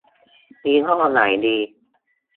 ยี่ห้อไหนดี